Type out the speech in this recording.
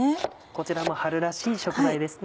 こちらも春らしい食材ですね。